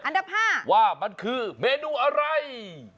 ดับ๕ว่ามันคือเมนูอะไร